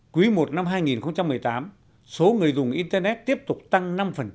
quý i năm hai nghìn một mươi tám số người dùng internet tiếp tục tăng năm